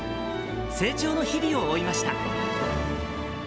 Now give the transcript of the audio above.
成長の日々を追いました。